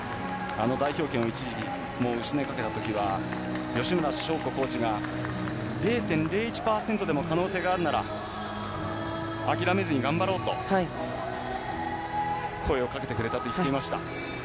代表権を一時失いかけた時は吉村祥子コーチが０．０１％でも可能性があるなら諦めずに頑張ろうと声をかけてくれたと言っていました。